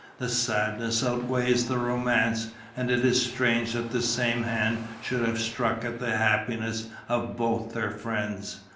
"The sadness outweighs the romance, and it is strange that the same hand should have struck at the happiness of both their friends.